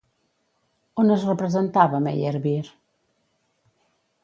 On es representava Meyerbeer?